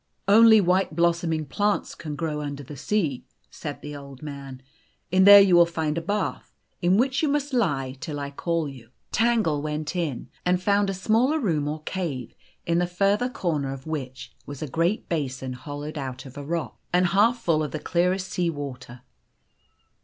" Only white blossoming plants can grow under the sea," said the Old Man. " In there you will find a bath, in which you must lie till I call you." Tangle went in, and found a smaller room or cave, in the further corner of which was a great basin hollowed out of a rock, and half full of the clearest sea water.